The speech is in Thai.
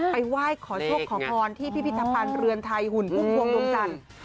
ไหว้ขอโชคขอพรที่พิพิธภัณฑ์เรือนไทยหุ่นพุ่มพวงดวงจันทร์